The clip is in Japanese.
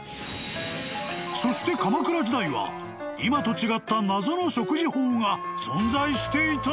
［そして鎌倉時代は今と違った謎の食事法が存在していた！？］